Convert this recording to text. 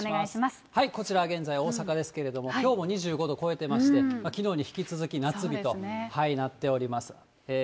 こちら、現在、大阪ですけれども、きょうも２５度を超えてまして、きのうに引き続き夏日となっております。